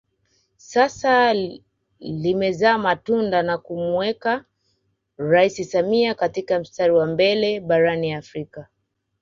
Sasa limezaa matunda na kumuweka rais Samia katika mstari wa mbele barani Afrika